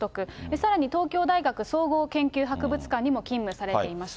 さらに東京大学総合研究博物館にも勤務されていました。